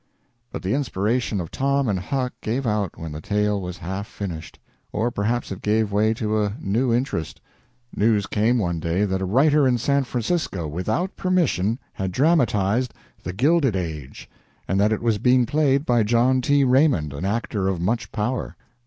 But the inspiration of Tom and Huck gave out when the tale was half finished, or perhaps it gave way to a new interest. News came one day that a writer in San Francisco, without permission, had dramatized "The Gilded Age," and that it was being played by John T. Raymond, an actor of much power.